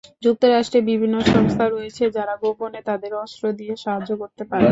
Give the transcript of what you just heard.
যুক্তরাষ্ট্রের বিভিন্ন সংস্থা রয়েছে যারা গোপনে তাদের অস্ত্র দিয়ে সাহায্য করতে পারে।